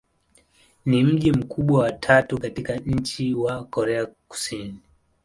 Ni mji mkubwa wa tatu katika nchi wa Korea Kusini.